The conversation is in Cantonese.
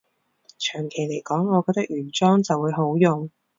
長期來講，我覺得原裝就會好用